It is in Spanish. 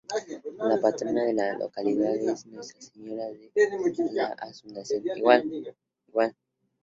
La patrona de la localidad es Nuestra Señora de la Asunción.